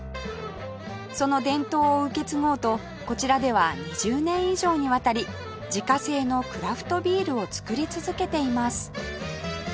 その伝統を受け継ごうとこちらでは２０年以上にわたり自家製のクラフトビールを造り続けています